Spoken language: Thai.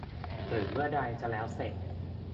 หรือเมื่อใดจะแล้วเสร็จ